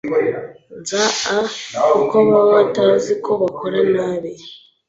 nza a kuko baba batazi ko bakora nabi